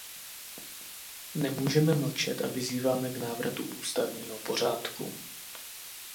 Nemůžeme mlčet a vyzýváme k návratu ústavního pořádku.